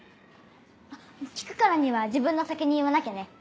あっ聞くからには自分の先に言わなきゃね。